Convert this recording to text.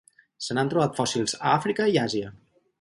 Se n'han trobat fòssils a Àfrica i Àsia.